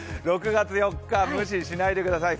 ６月４日、ムシしないでください。